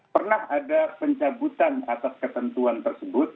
pernah ada pencabutan atas ketentuan tersebut